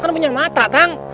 kan penyang mata tang